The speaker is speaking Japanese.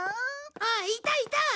あっいたいた！